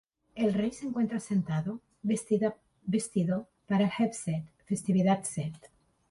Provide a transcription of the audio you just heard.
El rey se encuentra sentado, vestido para el Heb Sed "festividad sed".